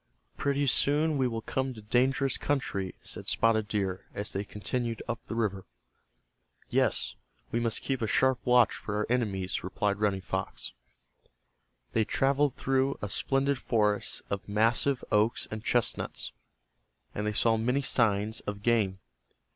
"Pretty soon we will come to dangerous country," said Spotted Deer, as they continued up the river. "Yes, we must keep a sharp watch for our enemies," replied Running Fox. They traveled through a splendid forest of massive oaks and chestnuts, and they saw many signs of game.